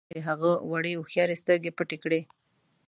هماغه شېبه مې د هغه وړې هوښیارې سترګې پټې کړې.